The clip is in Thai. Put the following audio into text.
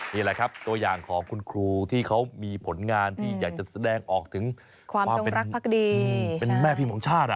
นี่แหละครับตัวอย่างของคุณครูที่เขามีผลงานที่อยากจะแสดงออกถึงความเป็นแม่พิมพ์ของชาติ